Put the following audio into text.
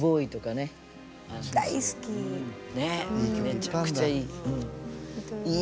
ねっめちゃくちゃいい。